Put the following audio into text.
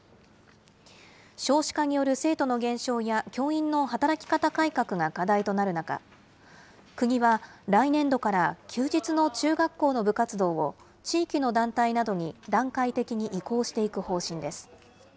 少子化による生徒の減少や教員の働き方改革が課題となる中、国は来年度から休日の中学校の部活動を、地域の団体などに段階的に移行していく方針です。